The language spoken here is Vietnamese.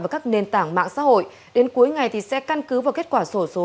và các nền tảng mạng xã hội đến cuối ngày sẽ căn cứ vào kết quả sổ số